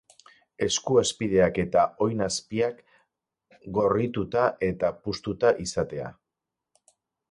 Esku-azpiak eta oin-azpiak gorrituta eta puztuta izatea.